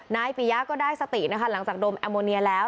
ปียะก็ได้สตินะคะหลังจากดมแอมโมเนียแล้ว